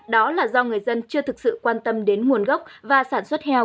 đó là do người dân chưa thực sự quan tâm đến nguồn gốc và sản xuất heo